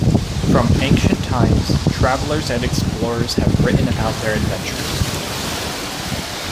From ancient times, travelers and explorers have written about their adventures.